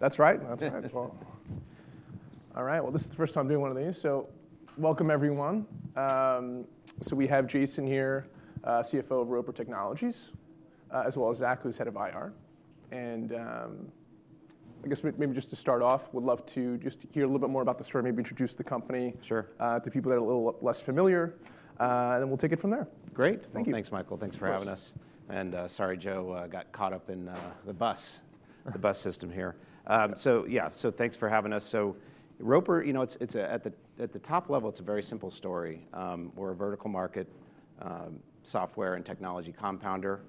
That's right. That's right. All right. This is the first time doing one of these. Welcome, everyone. We have Jason here, CFO of Roper Technologies, as well as Zack, who's head of IR. I guess maybe just to start off, we'd love to just hear a little bit more about the story, maybe introduce the company to people that are a little less familiar, and then we'll take it from there. Great. Thanks, Michael. Thanks for having us. Sorry, Joe got caught up in the bus, the bus system here. Yeah, thanks for having us. Roper, you know, at the top level, it's a very simple story. We're a vertical market software and technology compounder.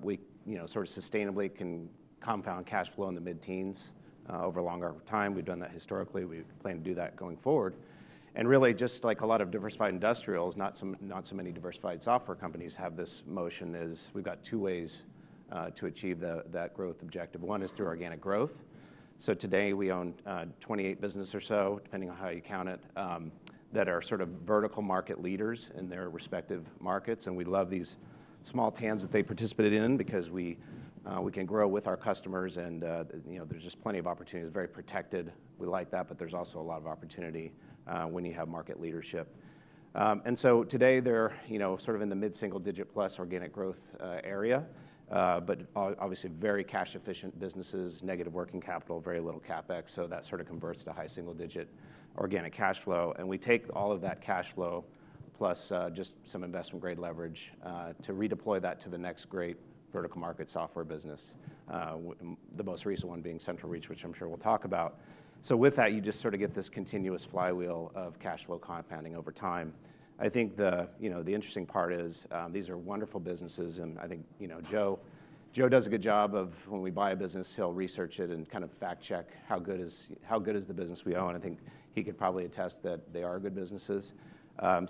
We sort of sustainably can compound cash flow in the mid-teens over a longer time. We've done that historically. We plan to do that going forward. Really, just like a lot of diversified industrials, not so many diversified software companies have this motion as we've got two ways to achieve that growth objective. One is through organic growth. Today we own 28 businesses or so, depending on how you count it, that are sort of vertical market leaders in their respective markets. We love these small tans that they participated in because we can grow with our customers, and there's just plenty of opportunity. It is very protected. We like that, but there's also a lot of opportunity when you have market leadership. Today they're sort of in the mid-single digit plus organic growth area, but obviously very cash efficient businesses, negative working capital, very little CapEx. That sort of converts to high single digit organic cash flow. We take all of that cash flow plus just some investment grade leverage to redeploy that to the next great vertical market software business, the most recent one being CentralReach, which I'm sure we'll talk about. With that, you just sort of get this continuous flywheel of cash flow compounding over time. I think the interesting part is these are wonderful businesses. I think Joe does a good job of when we buy a business, he'll research it and kind of fact check how good is the business we own. I think he could probably attest that they are good businesses. I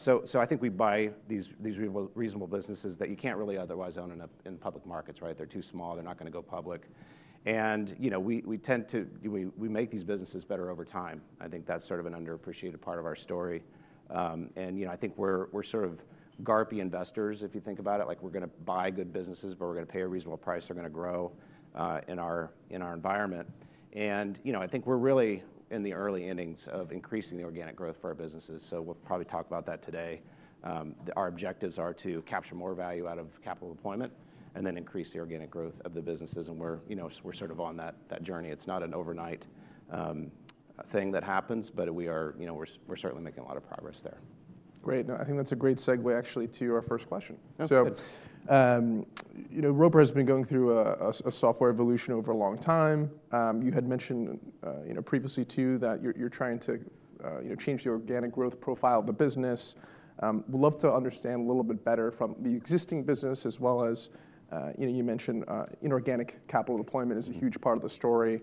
think we buy these reasonable businesses that you can't really otherwise own in public markets, right? They're too small. They're not going to go public. We tend to, we make these businesses better over time. I think that's sort of an underappreciated part of our story. I think we're sort of garpy investors, if you think about it. Like we're going to buy good businesses, but we're going to pay a reasonable price. They're going to grow in our environment. I think we're really in the early innings of increasing the organic growth for our businesses. We'll probably talk about that today. Our objectives are to capture more value out of capital deployment and then increase the organic growth of the businesses. We're sort of on that journey. It's not an overnight thing that happens, but we're certainly making a lot of progress there. Great. I think that's a great segue, actually, to your first question. Roper has been going through a software evolution over a long time. You had mentioned previously too that you're trying to change the organic growth profile of the business. We'd love to understand a little bit better from the existing business, as well as you mentioned, inorganic capital deployment is a huge part of the story.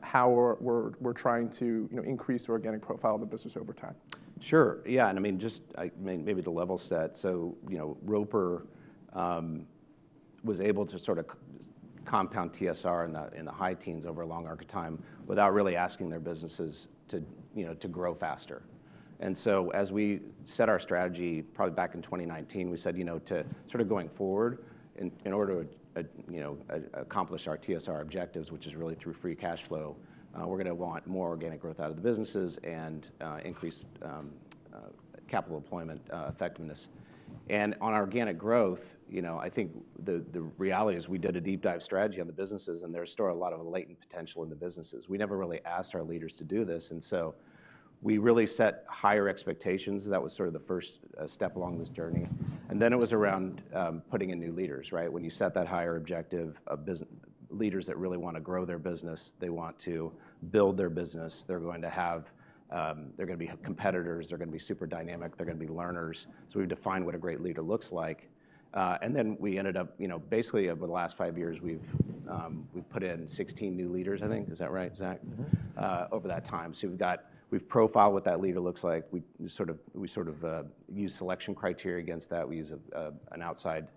How are we trying to increase the organic profile of the business over time? Sure. Yeah. I mean, just maybe to level set, Roper was able to sort of compound TSR in the high teens over a long, long time without really asking their businesses to grow faster. As we set our strategy probably back in 2019, we said to sort of going forward, in order to accomplish our TSR objectives, which is really through free cash flow, we're going to want more organic growth out of the businesses and increased capital deployment effectiveness. On organic growth, I think the reality is we did a deep dive strategy on the businesses, and there's still a lot of latent potential in the businesses. We never really asked our leaders to do this. We really set higher expectations. That was sort of the first step along this journey. It was around putting in new leaders, right? When you set that higher objective of leaders that really want to grow their business, they want to build their business. They're going to have their competitors. They're going to be super dynamic. They're going to be learners. So we've defined what a great leader looks like. And then we ended up basically over the last five years, we've put in 16 new leaders, I think. Is that right, Zack? Mm-hmm. Over that time. We have profiled what that leader looks like. We sort of use selection criteria against that. We use an outside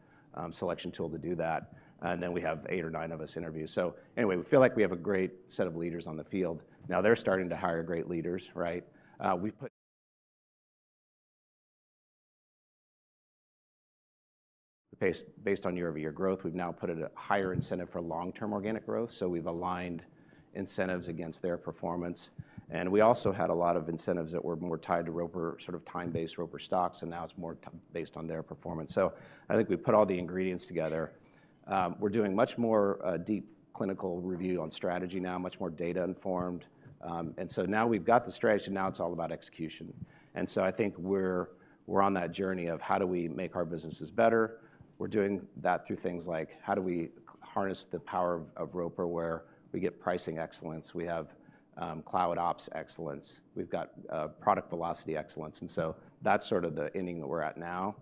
selection tool to do that. Then we have eight or nine of us interview. Anyway, we feel like we have a great set of leaders on the field. Now they are starting to hire great leaders, right? Based on year-over-year growth, we have now put a higher incentive for long-term organic growth. We have aligned incentives against their performance. We also had a lot of incentives that were more tied to Roper sort of time-based Roper stocks, and now it is more based on their performance. I think we put all the ingredients together. We are doing much more deep clinical review on strategy now, much more data-informed. Now we have got the strategy. Now it is all about execution. I think we're on that journey of how do we make our businesses better. We're doing that through things like how do we harness the power of Roper where we get pricing excellence. We have cloud ops excellence. We've got product velocity excellence. That is sort of the ending that we're at now.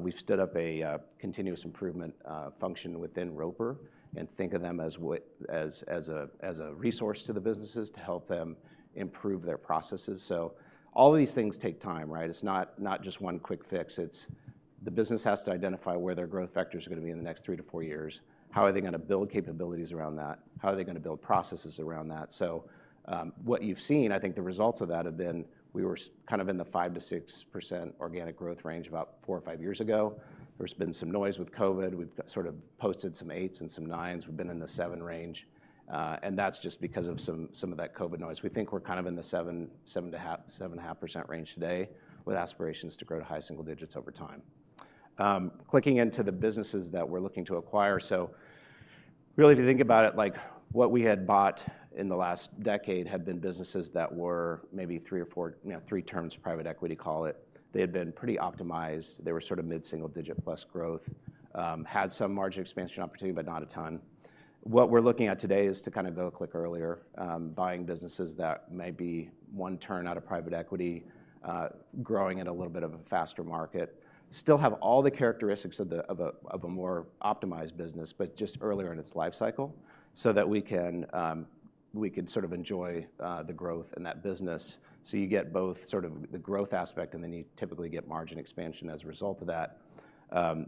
We've stood up a continuous improvement function within Roper and think of them as a resource to the businesses to help them improve their processes. All of these things take time, right? It's not just one quick fix. The business has to identify where their growth factors are going to be in the next three to four years. How are they going to build capabilities around that? How are they going to build processes around that? What you've seen, I think the results of that have been we were kind of in the 5%-6% organic growth range about four or five years ago. There's been some noise with COVID. We've sort of posted some eights and some nines. We've been in the seven range. That's just because of some of that COVID noise. We think we're kind of in the 7%-7.5% range today with aspirations to grow to high single digits over time. Clicking into the businesses that we're looking to acquire, really if you think about it, what we had bought in the last decade had been businesses that were maybe three or four, three terms private equity, call it. They had been pretty optimized. They were sort of mid-single digit plus growth, had some margin expansion opportunity, but not a ton. What we're looking at today is to kind of go a click earlier, buying businesses that may be one turn out of private equity, growing in a little bit of a faster market, still have all the characteristics of a more optimized business, but just earlier in its life cycle so that we can sort of enjoy the growth in that business. You get both sort of the growth aspect, and then you typically get margin expansion as a result of that.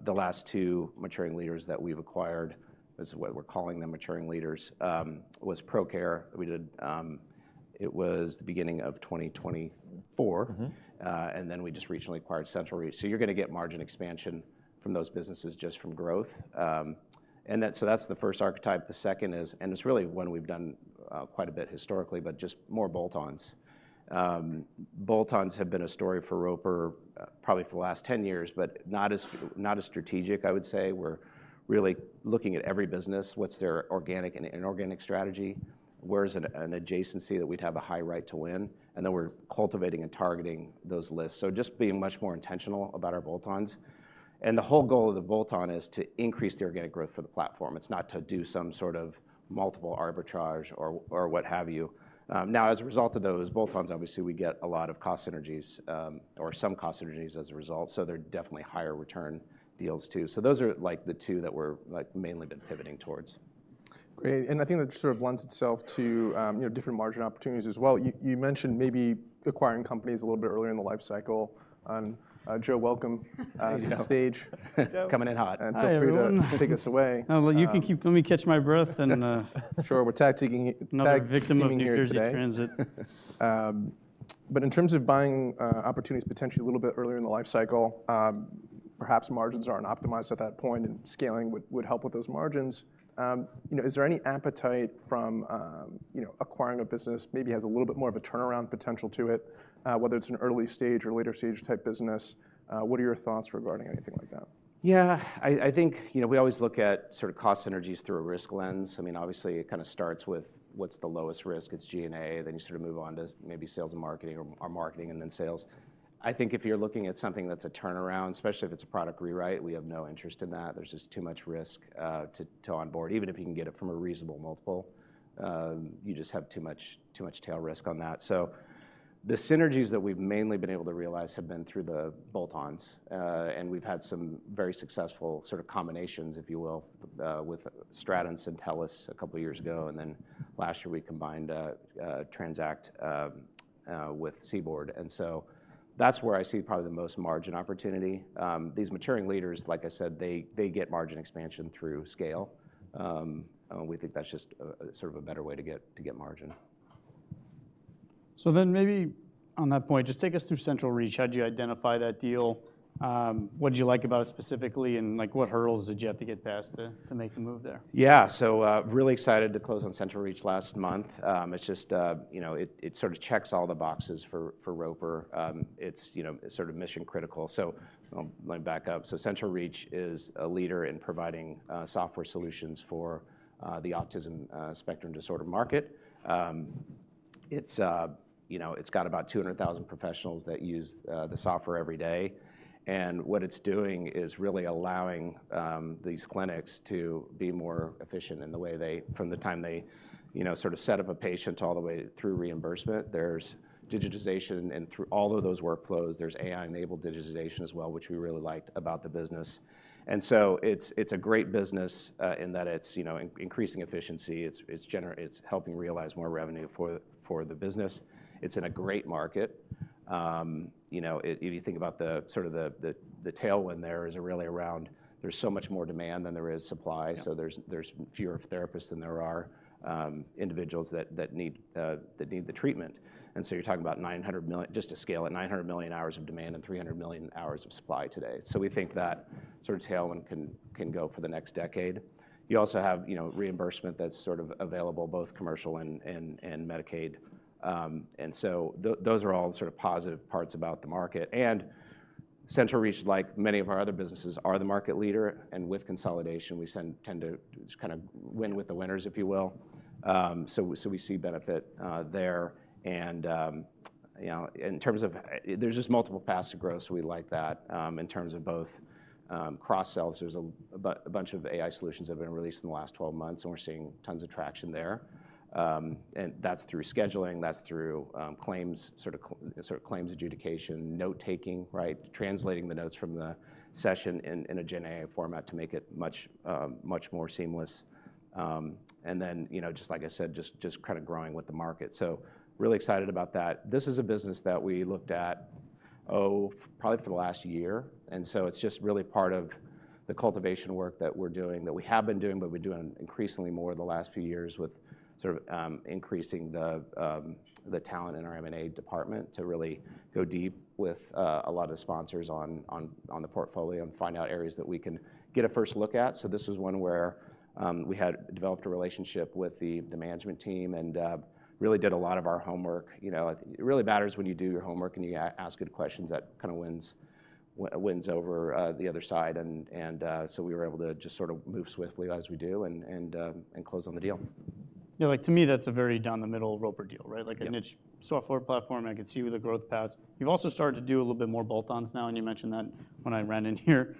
The last two maturing leaders that we've acquired, that's what we're calling them, maturing leaders, was Procare. It was the beginning of 2024. Then we just recently acquired CentralReach. You're going to get margin expansion from those businesses just from growth. That's the first archetype. The second is, and it's really one we've done quite a bit historically, but just more bolt-ons. Bolt-ons have been a story for Roper probably for the last 10 years, but not as strategic, I would say. We're really looking at every business, what's their organic and inorganic strategy, where's an adjacency that we'd have a high right to win. We're cultivating and targeting those lists. Just being much more intentional about our bolt-ons. The whole goal of the bolt-on is to increase the organic growth for the platform. It's not to do some sort of multiple arbitrage or what have you. As a result of those bolt-ons, obviously we get a lot of cost synergies or some cost synergies as a result. They're definitely higher return deals too. Those are like the two that we've mainly been pivoting towards. Great. I think that sort of lends itself to different margin opportunities as well. You mentioned maybe acquiring companies a little bit earlier in the life cycle. Joe, welcome to the stage. Coming in hot. Feel free to take us away. You can keep, let me catch my breath. Sure. We're tactically victim of New Jersey transit. In terms of buying opportunities potentially a little bit earlier in the life cycle, perhaps margins aren't optimized at that point, and scaling would help with those margins. Is there any appetite from acquiring a business maybe has a little bit more of a turnaround potential to it, whether it's an early stage or later stage type business? What are your thoughts regarding anything like that? Yeah. I think we always look at sort of cost synergies through a risk lens. I mean, obviously it kind of starts with what's the lowest risk. It's G&A. Then you sort of move on to maybe sales and marketing or marketing and then sales. I think if you're looking at something that's a turnaround, especially if it's a product rewrite, we have no interest in that. There's just too much risk to onboard. Even if you can get it from a reasonable multiple, you just have too much tail risk on that. The synergies that we've mainly been able to realize have been through the bolt-ons. We've had some very successful sort of combinations, if you will, with Strattion and TELUS a couple of years ago. Last year we combined Transact with Seaboard. That's where I see probably the most margin opportunity. These maturing leaders, like I said, they get margin expansion through scale. We think that's just sort of a better way to get margin. Then maybe on that point, just take us through CentralReach. How'd you identify that deal? What did you like about it specifically? And what hurdles did you have to get past to make the move there? Yeah. Really excited to close on CentralReach last month. It sort of checks all the boxes for Roper. It is mission critical. Let me back up. CentralReach is a leader in providing software solutions for the autism spectrum disorder market. It has about 200,000 professionals that use the software every day. What it is doing is really allowing these clinics to be more efficient in the way they, from the time they set up a patient all the way through reimbursement, there is digitization. Through all of those workflows, there is AI-enabled digitization as well, which we really liked about the business. It is a great business in that it is increasing efficiency. It is helping realize more revenue for the business. It is in a great market. If you think about the sort of the tailwind there is really around, there's so much more demand than there is supply. There are fewer therapists than there are individuals that need the treatment. You are talking about 900 million, just to scale it, 900 million hours of demand and 300 million hours of supply today. We think that sort of tailwind can go for the next decade. You also have reimbursement that is available, both commercial and Medicaid. Those are all positive parts about the market. CentralReach, like many of our other businesses, is the market leader. With consolidation, we tend to kind of win with the winners, if you will. We see benefit there. In terms of, there are just multiple paths to growth, so we like that. In terms of both cross-sells, there's a bunch of AI solutions that have been released in the last 12 months, and we're seeing tons of traction there. That's through scheduling. That's through sort of claims adjudication, note taking, right? Translating the notes from the session in a Gen AI format to make it much more seamless. Just like I said, just kind of growing with the market. Really excited about that. This is a business that we looked at, oh, probably for the last year. It's just really part of the cultivation work that we're doing, that we have been doing, but we're doing increasingly more the last few years with sort of increasing the talent in our M&A department to really go deep with a lot of sponsors on the portfolio and find out areas that we can get a first look at. This was one where we had developed a relationship with the management team and really did a lot of our homework. It really matters when you do your homework and you ask good questions that kind of wins over the other side. We were able to just sort of move swiftly as we do and close on the deal. Yeah. Like to me, that's a very down the middle Roper deal, right? Like a niche software platform. I could see where the growth paths. You've also started to do a little bit more bolt-ons now, and you mentioned that when I ran in here.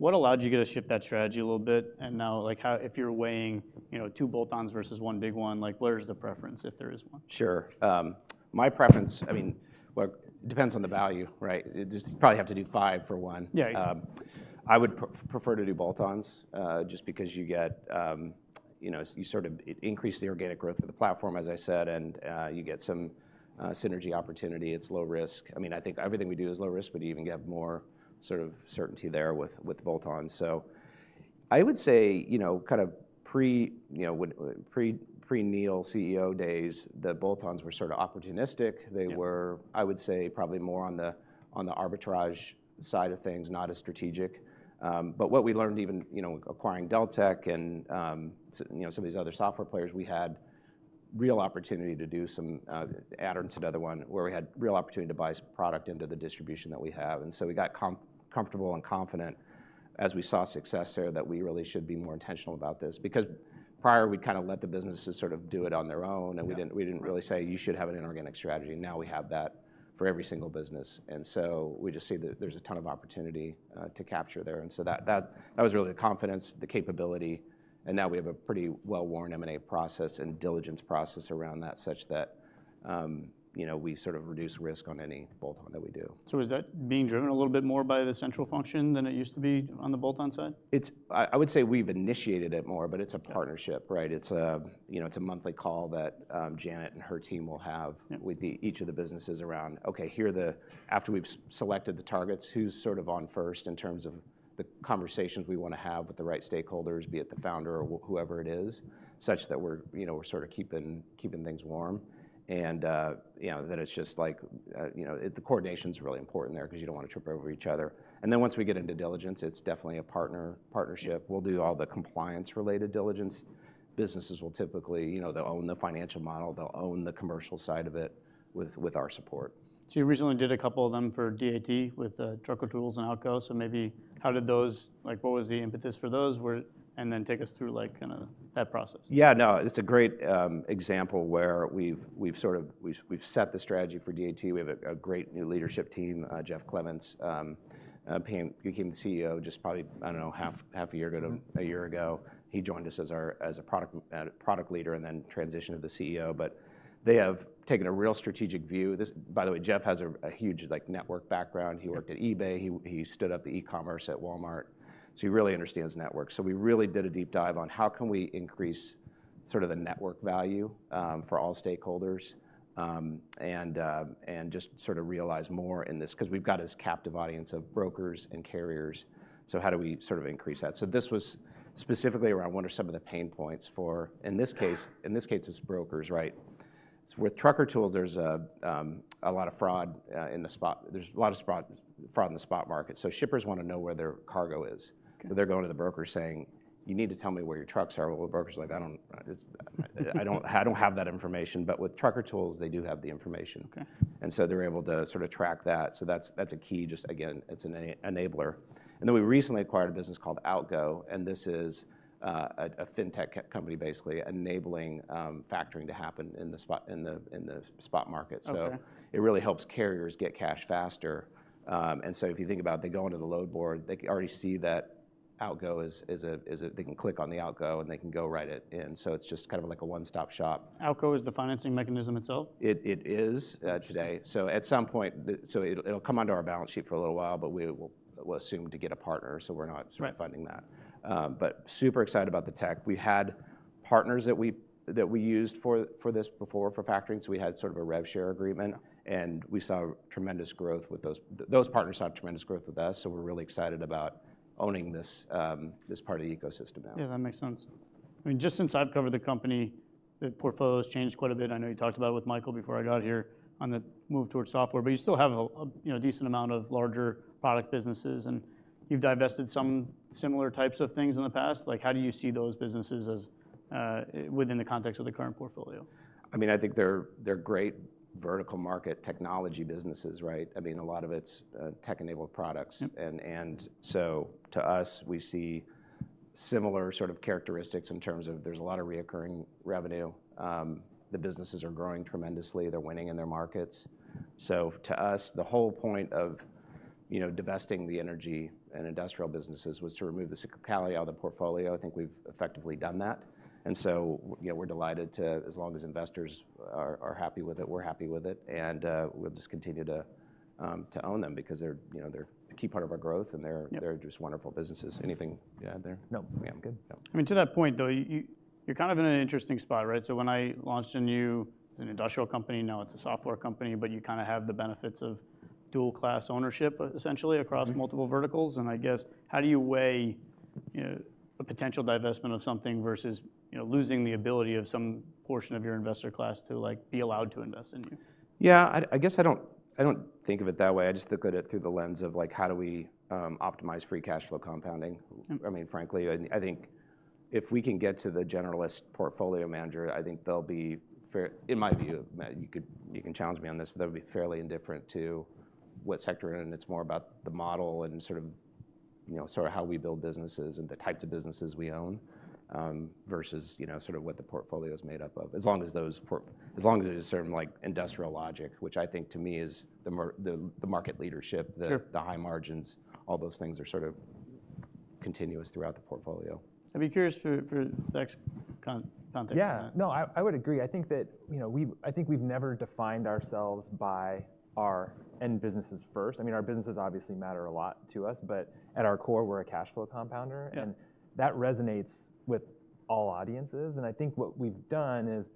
What allowed you to shift that strategy a little bit? Now if you're weighing two bolt-ons versus one big one, where's the preference if there is one? Sure. My preference, I mean, it depends on the value, right? You probably have to do five for one. I would prefer to do bolt-ons just because you sort of increase the organic growth of the platform, as I said, and you get some synergy opportunity. It is low risk. I mean, I think everything we do is low risk, but you even get more sort of certainty there with bolt-ons. I would say kind of pre-Neil CEO days, the bolt-ons were sort of opportunistic. They were, I would say, probably more on the arbitrage side of things, not as strategic. What we learned even acquiring Deltek and some of these other software players, we had real opportunity to do some add-ons to another one where we had real opportunity to buy product into the distribution that we have. We got comfortable and confident as we saw success there that we really should be more intentional about this. Because prior, we kind of let the businesses sort of do it on their own, and we did not really say, "You should have an inorganic strategy." Now we have that for every single business. We just see that there is a ton of opportunity to capture there. That was really the confidence, the capability. Now we have a pretty well-worn M&A process and diligence process around that such that we sort of reduce risk on any bolt-on that we do. Is that being driven a little bit more by the central function than it used to be on the bolt-on side? I would say we've initiated it more, but it's a partnership, right? It's a monthly call that Janet and her team will have with each of the businesses around, "Okay, here, after we've selected the targets, who's sort of on first in terms of the conversations we want to have with the right stakeholders, be it the founder or whoever it is," such that we're sort of keeping things warm. The coordination's really important there because you don't want to trip over each other. Once we get into diligence, it's definitely a partnership. We'll do all the compliance-related diligence. Businesses will typically, they'll own the financial model, they'll own the commercial side of it with our support. You originally did a couple of them for DAT with Trucker Tools and Outco. Maybe how did those, what was the impetus for those? Then take us through kind of that process. Yeah. No, it's a great example where we've sort of set the strategy for DAT. We have a great new leadership team. Jeff Clements, he became the CEO just probably, I don't know, half a year ago, a year ago. He joined us as a product leader and then transitioned to the CEO. They have taken a real strategic view. By the way, Jeff has a huge network background. He worked at eBay. He stood up the e-commerce at Walmart. He really understands network. We really did a deep dive on how can we increase sort of the network value for all stakeholders and just sort of realize more in this because we've got this captive audience of brokers and carriers. How do we sort of increase that? This was specifically around what are some of the pain points for, in this case, it's brokers, right? With Trucker Tools, there's a lot of fraud in the spot. There's a lot of fraud in the spot market. Shippers want to know where their cargo is. They're going to the broker saying, "You need to tell me where your trucks are." The broker's like, "I don't have that information." With Trucker Tools, they do have the information, and they're able to sort of track that. That's a key. Just again, it's an enabler. We recently acquired a business called Outco. This is a fintech company basically enabling factoring to happen in the spot market. It really helps carriers get cash faster. If you think about it, they go into the load board, they already see that Outco, they can click on the Outco and they can go right in. It is just kind of like a one-stop shop. Outco is the financing mechanism itself? It is today. At some point, it'll come onto our balance sheet for a little while, but we'll assume to get a partner. We're not sort of funding that. Super excited about the tech. We had partners that we used for this before for factoring. We had sort of a rev share agreement. We saw tremendous growth with those. Those partners saw tremendous growth with us. We're really excited about owning this part of the ecosystem now. Yeah, that makes sense. I mean, just since I've covered the company, the portfolio has changed quite a bit. I know you talked about it with Michael before I got here on the move towards software. You still have a decent amount of larger product businesses. You've divested some similar types of things in the past. How do you see those businesses within the context of the current portfolio? I mean, I think they're great vertical market technology businesses, right? I mean, a lot of it's tech-enabled products. To us, we see similar sort of characteristics in terms of there's a lot of recurring revenue. The businesses are growing tremendously. They're winning in their markets. To us, the whole point of divesting the energy and industrial businesses was to remove the cyclicality out of the portfolio. I think we've effectively done that. We're delighted to, as long as investors are happy with it, we're happy with it. We'll just continue to own them because they're a key part of our growth and they're just wonderful businesses. Anything to add there? No, I'm good. I mean, to that point though, you're kind of in an interesting spot, right? When I launched a new, it's an industrial company, now it's a software company, but you kind of have the benefits of dual-class ownership essentially across multiple verticals. I guess, how do you weigh a potential divestment of something versus losing the ability of some portion of your investor class to be allowed to invest in you? Yeah, I guess I do not think of it that way. I just look at it through the lens of how do we optimize free cash flow compounding. I mean, frankly, I think if we can get to the generalist portfolio manager, I think they will be, in my view, you can challenge me on this, but they will be fairly indifferent to what sector. It is more about the model and sort of how we build businesses and the types of businesses we own versus sort of what the portfolio is made up of. As long as there is certain industrial logic, which I think to me is the market leadership, the high margins, all those things are sort of continuous throughout the portfolio. I'd be curious for the next context. Yeah. No, I would agree. I think we've never defined ourselves by our end businesses first. I mean, our businesses obviously matter a lot to us, but at our core, we're a cash flow compounder. That resonates with all audiences. I think what we've done is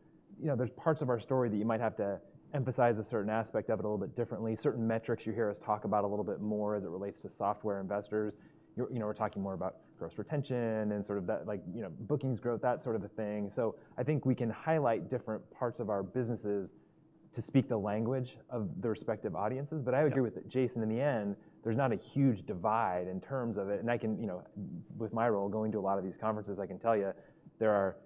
there's parts of our story that you might have to emphasize a certain aspect of it a little bit differently. Certain metrics you hear us talk about a little bit more as it relates to software investors. We're talking more about gross retention and sort of bookings growth, that sort of a thing. I think we can highlight different parts of our businesses to speak the language of the respective audiences. I agree with Jason in the end, there's not a huge divide in terms of it. With my role going to a lot of these conferences, I can tell you there are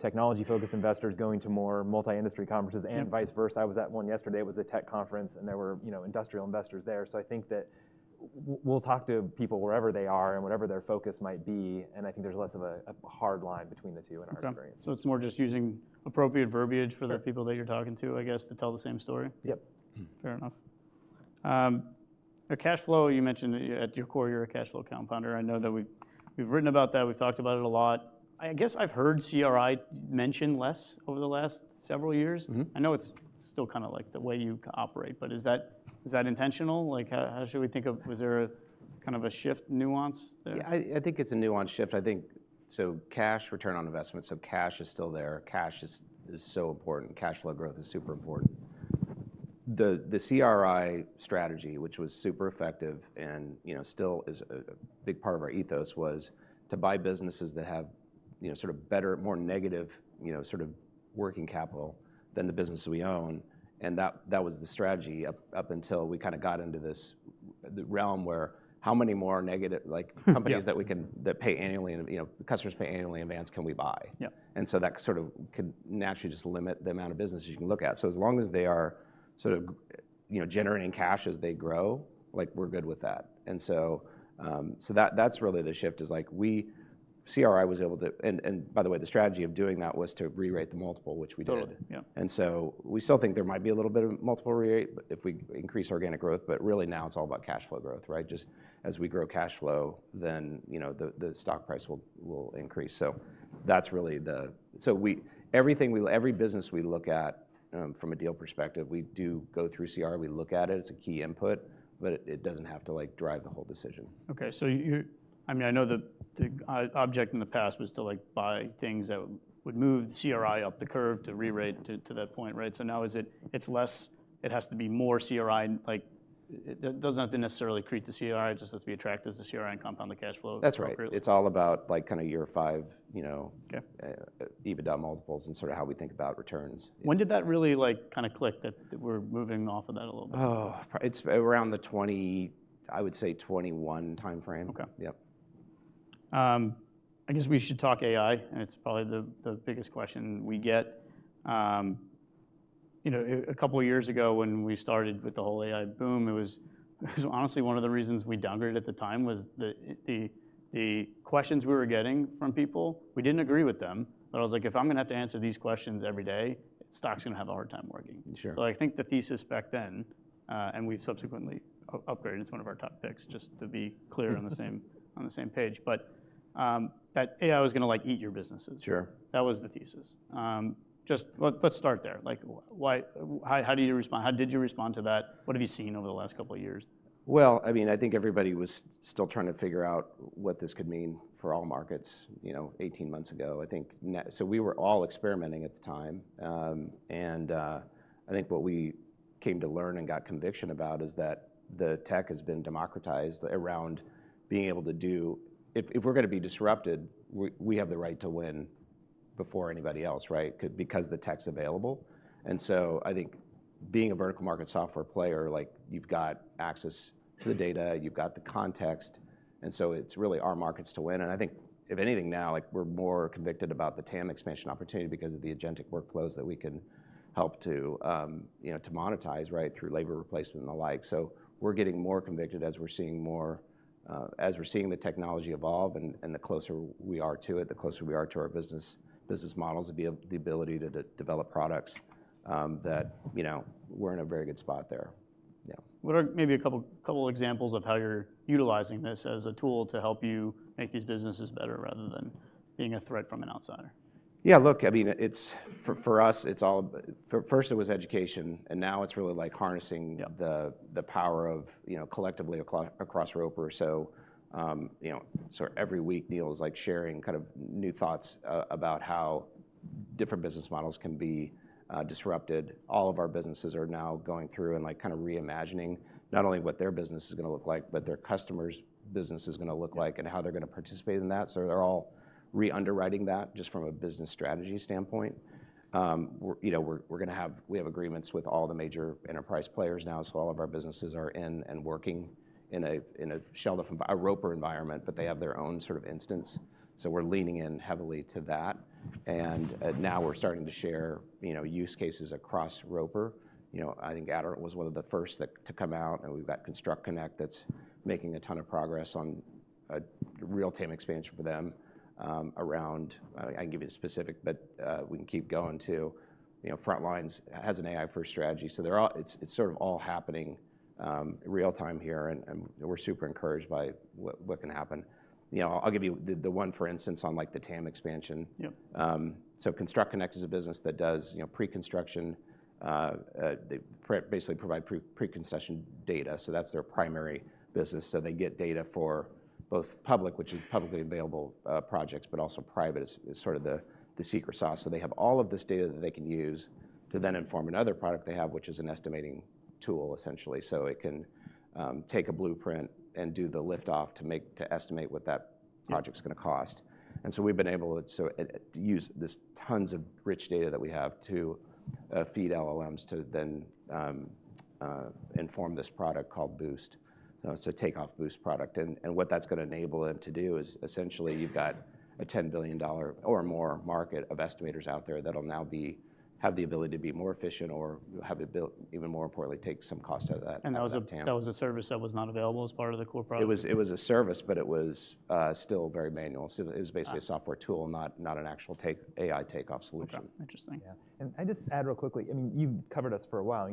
"technology-focused investors" going to more multi-industry conferences and vice versa. I was at one yesterday. It was a tech conference and there were industrial investors there. I think that we'll talk to people wherever they are and whatever their focus might be. I think there's less of a hard line between the two in our experience. It is more just using appropriate verbiage for the people that you are talking to, I guess, to tell the same story. Yep. Fair enough. Cash flow, you mentioned at your core, you're a cash flow compounder. I know that we've written about that. We've talked about it a lot. I guess I've heard CRI mentioned less over the last several years. I know it's still kind of like the way you operate, but is that intentional? How should we think of, was there kind of a shift nuance there? I think it's a nuanced shift. I think cash, return on investment, cash is still there. Cash is so important. Cash flow growth is super important. The CRI strategy, which was super effective and still is a big part of our ethos, was to buy businesses that have sort of better, more negative sort of working capital than the businesses we own. That was the strategy up until we kind of got into this realm where how many more negative companies that pay annually, customers pay annually in advance, can we buy? That sort of can naturally just limit the amount of businesses you can look at. As long as they are sort of generating cash as they grow, we're good with that. That is really the shift. CRI was able to, and by the way, the strategy of doing that was to re-rate the multiple, which we did. We still think there might be a little bit of multiple re-rate if we increase organic growth, but really now it is all about cash flow growth, right? Just as we grow cash flow, then the stock price will increase. That is really the, so everything, every business we look at from a deal perspective, we do go through CRI. We look at it as a key input, but it does not have to drive the whole decision. Okay. So I mean, I know the object in the past was to buy things that would move the CRI up the curve to re-rate to that point, right? So now it's less, it has to be more CRI. It doesn't have to necessarily create the CRI, it just has to be attractive to CRI and compound the cash flow. That's right. It's all about kind of year five, EBITDA multiples, and sort of how we think about returns. When did that really kind of click that we're moving off of that a little bit? Oh, it's around the, I would say 2021 timeframe. Yep. I guess we should talk AI, and it's probably the biggest question we get. A couple of years ago when we started with the whole AI boom, it was honestly one of the reasons we downgraded at the time was the questions we were getting from people. We didn't agree with them, but I was like, "If I'm going to have to answer these questions every day, stock's going to have a hard time working." I think the thesis back then, and we've subsequently upgraded, it's one of our top picks just to be clear on the same page, but that AI was going to eat your businesses. That was the thesis. Just let's start there. How do you respond? How did you respond to that? What have you seen over the last couple of years? I mean, I think everybody was still trying to figure out what this could mean for all markets 18 months ago. I think we were all experimenting at the time. I think what we came to learn and got conviction about is that the tech has been democratized around being able to do, if we're going to be disrupted, we have the right to win before anybody else, right? Because the tech's available. I think being a vertical market software player, you've got access to the data, you've got the context. It's really our markets to win. I think if anything now, we're more convicted about the TAM expansion opportunity because of the agentic workflows that we can help to monetize, right, through labor replacement and the like. We're getting more convicted as we're seeing more, as we're seeing the technology evolve, and the closer we are to it, the closer we are to our business models, the ability to develop products, that we're in a very good spot there. Yeah. What are maybe a couple of examples of how you're utilizing this as a tool to help you make these businesses better rather than being a threat from an outsider? Yeah, look, I mean, for us, first it was education and now it's really like harnessing the power of collectively across Roper. Every week, Neil is sharing kind of new thoughts about how different business models can be disrupted. All of our businesses are now going through and kind of reimagining not only what their business is going to look like, but their customer's business is going to look like and how they're going to participate in that. They are all re-underwriting that just from a business strategy standpoint. We have agreements with all the major enterprise players now. All of our businesses are in and working in a shell of a Roper environment, but they have their own sort of instance. We are leaning in heavily to that. Now we are starting to share use cases across Roper. I think Aderant was one of the first to come out and we've got ConstructConnect that's making a ton of progress on a real TAM expansion for them around, I can give you a specific, but we can keep going to Frontline has an AI-first strategy. It is sort of all happening real time here and we're super encouraged by what can happen. I'll give you the one, for instance, on the TAM expansion. ConstructConnect is a business that does pre-construction, they basically provide pre-construction data. That is their primary business. They get data for both public, which is publicly available projects, but also private is sort of the secret sauce. They have all of this data that they can use to then inform another product they have, which is an estimating tool essentially. It can take a blueprint and do the lift-off to estimate what that project's going to cost. We've been able to use this tons of rich data that we have to feed LLMs to then inform this product called Boost, so takeoff Boost product. What that's going to enable them to do is essentially you've got a $10 billion or more market of estimators out there that'll now have the ability to be more efficient or have it built even more importantly, take some cost out of that. That was a service that was not available as part of the core product? It was a service, but it was still very manual. It was basically a software tool, not an actual AI takeoff solution. Interesting. Yeah. I just add real quickly, I mean, you've covered us for a while.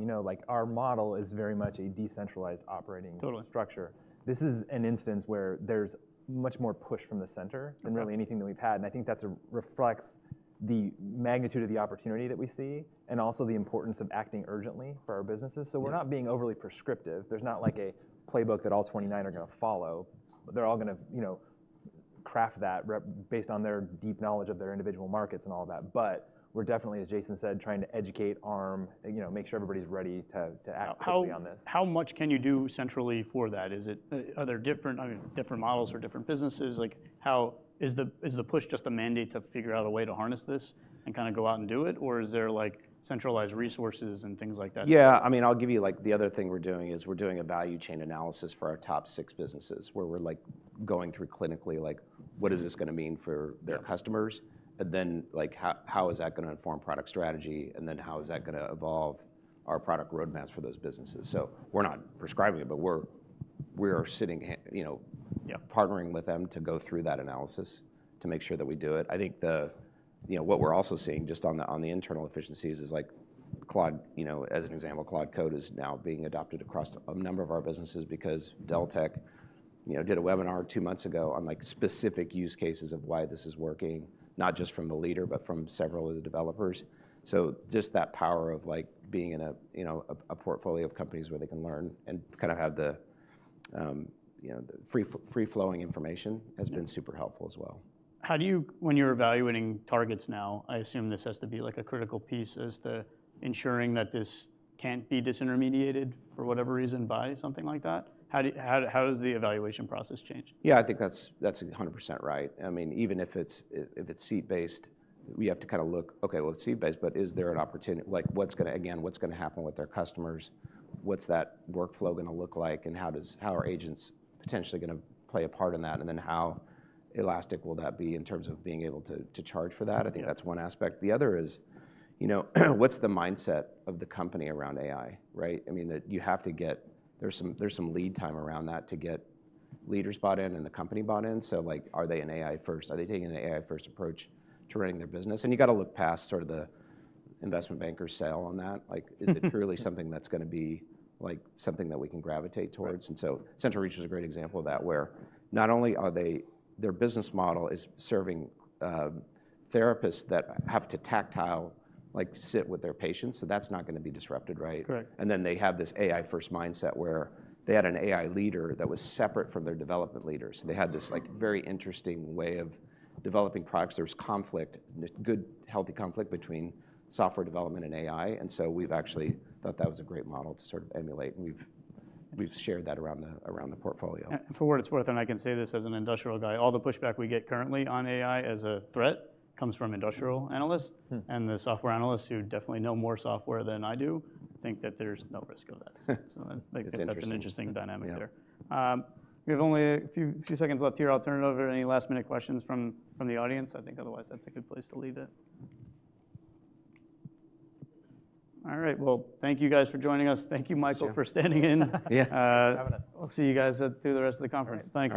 Our model is very much a decentralized operating structure. This is an instance where there's much more push from the center than really anything that we've had. I think that reflects the magnitude of the opportunity that we see and also the importance of acting urgently for our businesses. We're not being overly prescriptive. There's not like a playbook that all 29 are going to follow, but they're all going to craft that based on their deep knowledge of their individual markets and all that. We're definitely, as Jason said, trying to educate, arm, make sure everybody's ready to act quickly on this. How much can you do centrally for that? Are there different models for different businesses? Is the push just a mandate to figure out a way to harness this and kind of go out and do it? Is there centralized resources and things like that? Yeah, I mean, I'll give you the other thing we're doing is we're doing a value chain analysis for our top six businesses where we're going through clinically what is this going to mean for their customers? And then how is that going to inform product strategy? And then how is that going to evolve our product roadmaps for those businesses? We're not prescribing it, but we're sitting partnering with them to go through that analysis to make sure that we do it. I think what we're also seeing just on the internal efficiencies is Cloud, as an example, Cloud Code is now being adopted across a number of our businesses because Deltek did a webinar two months ago on specific use cases of why this is working, not just from the leader, but from several of the developers. Just that power of being in a portfolio of companies where they can learn and kind of have the free-flowing information has been super helpful as well. When you're evaluating targets now, I assume this has to be a critical piece as to ensuring that this can't be disintermediated for whatever reason by something like that. How does the evaluation process change? Yeah, I think that's 100% right. I mean, even if it's seed-based, we have to kind of look, okay, well, it's seed-based, but is there an opportunity, again, what's going to happen with our customers? What's that workflow going to look like? And how are agents potentially going to play a part in that? And then how elastic will that be in terms of being able to charge for that? I think that's one aspect. The other is what's the mindset of the company around AI, right? I mean, you have to get, there's some lead time around that to get leaders bought in and the company bought in. Are they an AI-first? Are they taking an AI-first approach to running their business? You got to look past sort of the investment banker sale on that. Is it truly something that's going to be something that we can gravitate towards? CentralReach is a great example of that where not only are they, their business model is serving therapists that have to tactile, sit with their patients. That's not going to be disrupted, right? They have this AI-first mindset where they had an AI leader that was separate from their development leaders. They had this very interesting way of developing products. There's conflict, good healthy conflict between software development and AI. We've actually thought that was a great model to sort of emulate. We've shared that around the portfolio. For what it's worth, and I can say this as an industrial guy, all the pushback we get currently on AI as a threat comes from industrial analysts and the software analysts who definitely know more software than I do. I think that there's no risk of that. That's an interesting dynamic there. We have only a few seconds left here. I'll turn it over to any last minute questions from the audience. I think otherwise that's a good place to leave it. All right. Thank you guys for joining us. Thank you, Michael, for standing in. Yeah. We'll see you guys through the rest of the conference. Thanks.